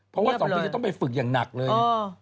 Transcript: เพราะว่า๒ปีจะต้องไปฝึกอย่างหนักเลย